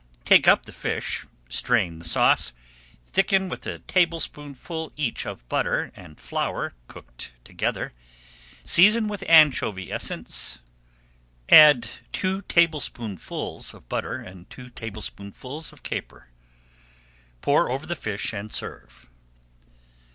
Take up the fish, strain the sauce, thicken with a tablespoonful each of butter and flour cooked together, season with anchovy essence, add two tablespoonfuls of butter and two tablespoonfuls of capers. Pour over the fish and serve.